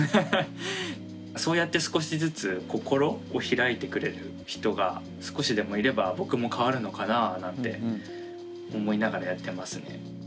そうやって少しずつ心を開いてくれる人が少しでもいれば僕も変わるのかなあなんて思いながらやってますね。